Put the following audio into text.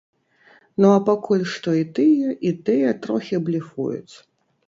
Ну а пакуль што і тыя, і тыя трохі блефуюць.